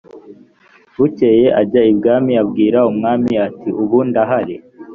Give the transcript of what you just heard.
bukeye ajya ibwami abwira umwami ati ubu ndahari